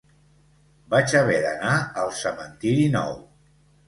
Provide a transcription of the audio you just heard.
Vaig haver d'anar al cementiri nou